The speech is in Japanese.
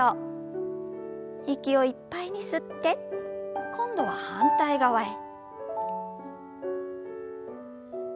息をいっぱいに吸って今度は反対側へ。